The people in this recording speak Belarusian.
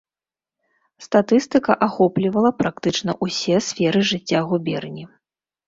Статыстыка ахоплівала практычна ўсе сферы жыцця губерні.